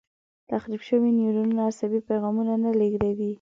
تخریب شوي نیورونونه عصبي پیغامونه نه لېږدوي.